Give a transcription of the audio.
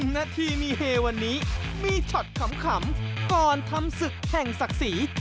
นาทีมีเฮวันนี้มีช็อตขำก่อนทำศึกแห่งศักดิ์ศรี